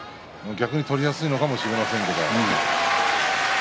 逆に、取りやすいのかもしれませんけど。